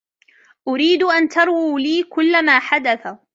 أريد أن ترووا لي كلّ ما حدث.